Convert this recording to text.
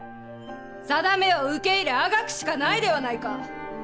さだめを受け入れあがくしかないではないか。